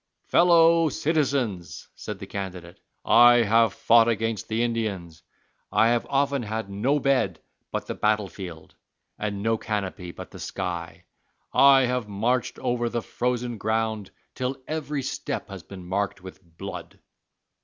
"Fellow citizens," said the candidate, "I have fought against the Indians. I have often had no bed but the battle field, and no canopy but the sky. I have marched over the frozen ground till every step has been marked with blood."